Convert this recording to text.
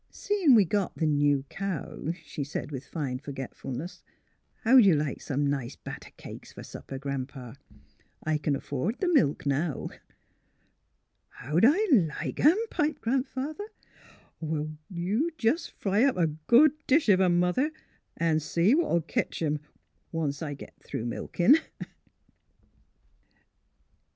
" Seein' we got the new cow," she said, with fine forgetfulness, " how'd you like some nice batter cakes fer supper. Gran 'pa? I c'n afford th' milk, now." '' How'd I like 'em? " piped Grandfather. " Well, you jes' fry up a good dish of 'em, Mother, an' see what '11 ketch 'em — once I git through milkin'."